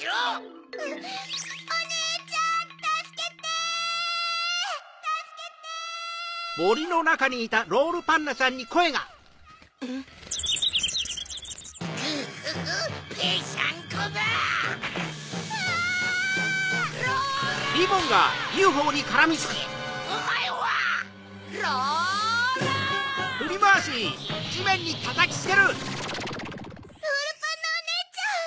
ドンロールパンナおねえちゃん！